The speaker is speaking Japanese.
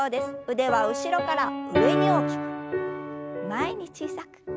腕は後ろから上に大きく前に小さく。